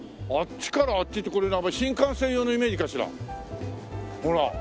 あっちからあっちってこれなんか新幹線用のイメージかしら。